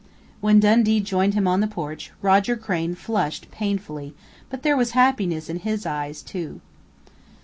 When Dundee joined him on the porch, Roger Crain flushed painfully but there was happiness in his eyes, too....